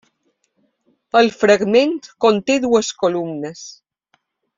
El fragment conté dues columnes.